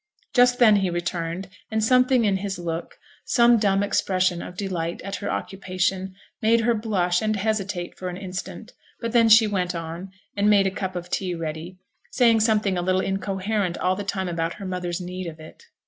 Just then he returned, and something in his look, some dumb expression of delight at her occupation, made her blush and hesitate for an instant; but then she went on, and made a cup of tea ready, saying something a little incoherent all the time about her mother's need of it.